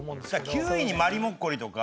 ９位にまりもっこりとか。